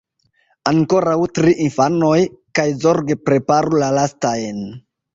Ankoraŭ tri, infanoj; kaj zorge preparu la lastajn.